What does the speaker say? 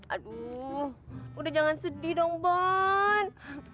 aduh udah jangan sedih dong bon